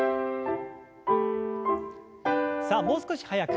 さあもう少し速く。